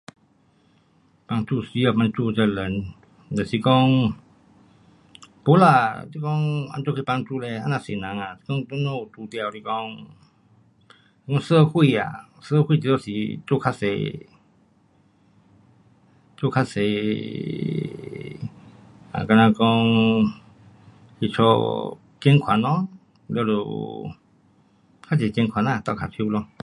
帮助需要帮助的人，就是讲，没啦，是讲怎样去帮助嘞，这么多人啊，是讲刚好遇到是讲，社会呀，社会最多是做较多，做较多，啊好像讲去做捐款，完就有较多捐款呐，倒脚手咯。